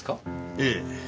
ええ。